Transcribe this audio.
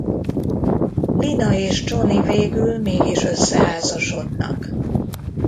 Lina és Johnny végül mégis összeházasodnak.